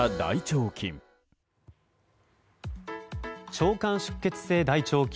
腸管出血性大腸菌